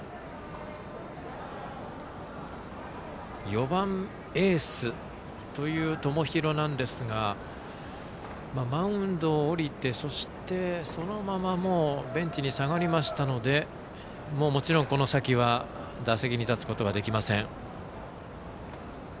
４番のエースという友廣なんですがマウンドを降りてそのままベンチに下がりましたのでもちろん、この先は打席に立つことはできません。